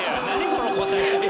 その答え。